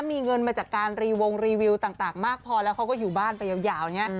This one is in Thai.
มีเงินมาจากการรีวงรีวิวต่างมากพอแล้วเขาก็อยู่บ้านไปยาวอย่างนี้